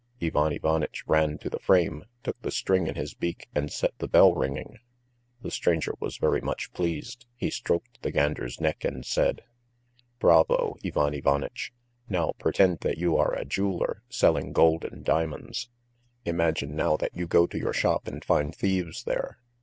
Ivan Ivanitch ran to the frame, took the string in his beak, and set the bell ringing. The stranger was very much pleased. He stroked the gander's neck and said: "Bravo, Ivan Ivanitch! Now pretend that you are a jeweller selling gold and diamonds. Imagine now that you go to your shop and find thieves there.